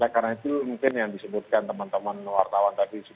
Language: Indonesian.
karena itu mungkin yang disebutkan teman teman wartawan tadi